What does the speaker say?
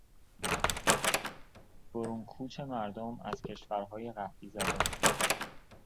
برون کوچ مردم از کشورهای قحطی زده